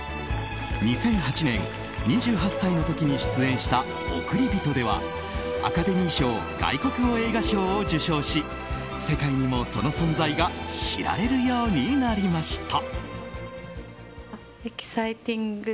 ２００８年、２８歳の時に出演した「おくりびと」ではアカデミー賞外国語映画賞を受賞し世界にも、その存在が知られるようになりました。